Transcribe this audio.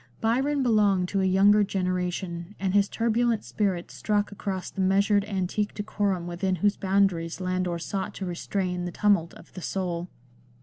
Byron belonged to a younger generation, and his turbulent spirit struck across the measured antique decorum within whose boundaries Landor sought to restrain the tumult of the soul.